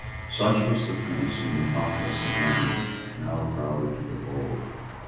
Such was the prince whom the populace of London now crowded to behold.